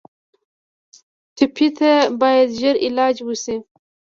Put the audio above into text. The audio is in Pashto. ټپي ته باید ژر علاج وشي.